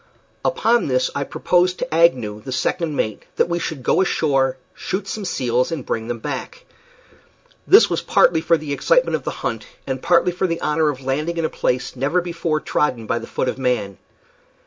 Upon this I proposed to Agnew, the second mate, that we should go ashore, shoot some seals, and bring them back. This was partly for the excitement of the hunt, and partly for the honor of landing in a place never before trodden by the foot of man.